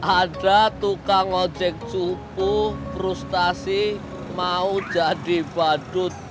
ada tukang ojek cupu frustasi mau jadi badut